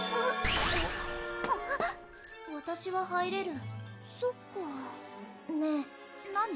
わたしは入れるそっかねぇ何？